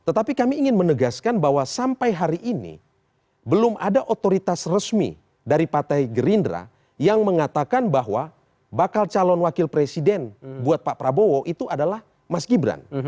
tetapi kami ingin menegaskan bahwa sampai hari ini belum ada otoritas resmi dari partai gerindra yang mengatakan bahwa bakal calon wakil presiden buat pak prabowo itu adalah mas gibran